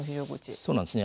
そうなんですね。